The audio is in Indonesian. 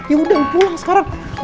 ya udah pulang sekarang